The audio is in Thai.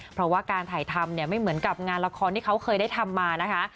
เพราะว่าการถ่ายทำเนี่ยไม่เหมือนกับงานละครที่เขาเคยได้ทำมานะคะ